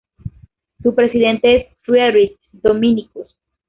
Su presidente es Friedrich Dominicus.